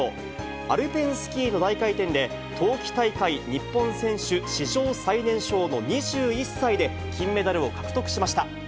アルペンスキーの大回転で、冬季大会日本選手史上最年少の２１歳で、金メダルを獲得しました。